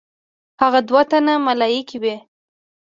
هغه دوه تنه ملایکې وې.